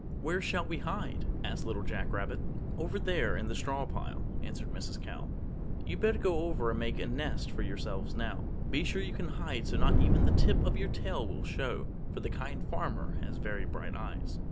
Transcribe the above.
"Where shall we hide?" asked Little Jack Rabbit. "Over there in the straw pile," answered Mrs. Cow. "You'd better go over and make a nest for yourselves now. Be sure you can hide so that not even the tip of your tail will show, for the Kind Farmer has very bright eyes."